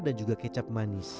dan juga kecap manis